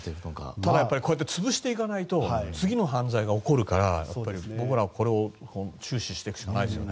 ただ、潰していかないと次の犯罪が起こるから僕らはこれを注視していくしかないですよね。